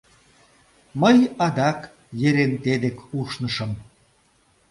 Мый адак Еренте дек ушнышым.